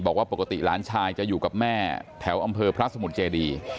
บอกว่าปกติหลานชายจะอยู่กับแม่แถวอำเภอพระสมุทรเจดี